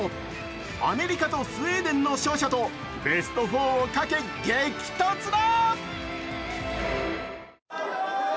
アメリカとスウェーデンの勝者とベスト４をかけ激突だ！